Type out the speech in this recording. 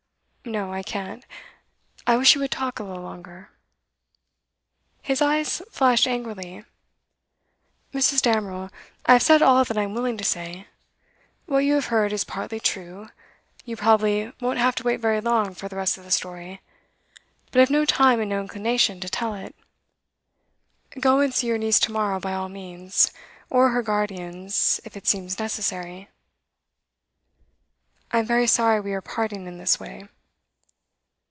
'No, I can't. I wish you would talk a little longer.' His eyes flashed angrily. 'Mrs. Damerel, I have said all that I am willing to say. What you have heard is partly true; you probably won't have to wait very long for the rest of the story, but I have no time and no inclination to tell it. Go and see your niece to morrow by all means, or her guardians, if it seems necessary. 'I am very sorry we are parting in this way.